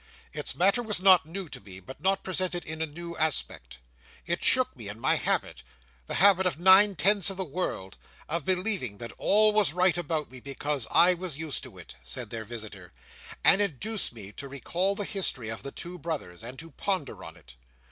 "Its matter was not new to me, but was presented in a new aspect. It shook me in my habit—the habit of nine tenths of the world—of believing that all was right about me, because I was used to it," said their visitor; "and induced me to recall the history of the two brothers, and to ponder on it.